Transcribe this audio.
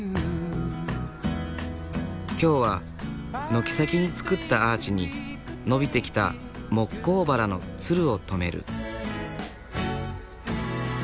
今日は軒先に作ったアーチに伸びてきたモッコウバラのツルを留める。